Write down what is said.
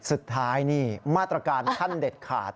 สุดท้ายนี่มาตรการขั้นเด็ดขาด